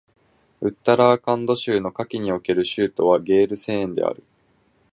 ウッタラーカンド州の夏季における州都はゲールセーンである